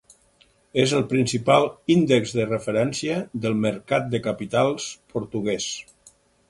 És el principal índex de referència del mercat de capitals portuguès.